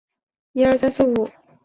曲学大师吴梅也持此观点。